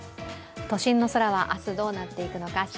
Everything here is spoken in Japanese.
都心の空は明日、どうなっていくのか。